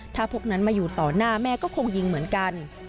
ถ้าพวกนั้นมาอยู่ต่อหน้าแม่ก็คงยิงเหมือนกัน